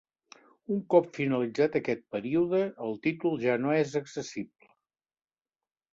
Un cop finalitzat aquest període, el títol ja no és accessible.